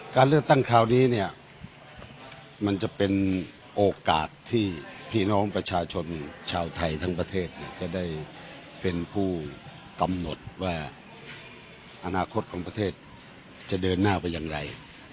การเลือกตั้งคราวนี้เนี่ยมันจะเป็นโอกาสที่พี่น้องประชาชนชาวไทยทั้งประเทศเนี่ยจะได้เป็นผู้กำหนดว่าอนาคตของประเทศจะเดินหน้าไปอย่างไร